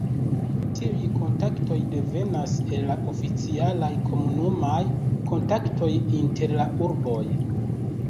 Tiuj kontaktoj devenas el la oficialaj komunumaj kontaktoj inter la urboj.